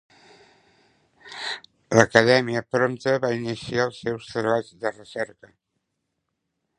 L'Acadèmia prompte va iniciar els seus treballs de recerca.